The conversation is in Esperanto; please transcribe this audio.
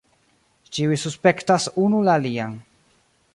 Ĉiuj suspektas unu la alian.